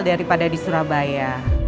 daripada di surabaya